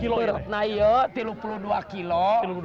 beratnya ya tujuh puluh dua kg